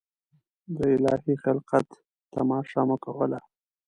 د الهي خلقت تماشه مو کوله.